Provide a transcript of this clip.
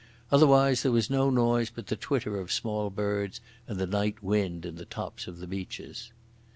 Otherwise there was no noise but the twitter of small birds and the night wind in the tops of the beeches.